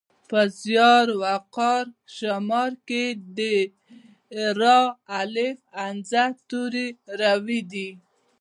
په زیار، وقار، شمار کې د راء توری روي دی.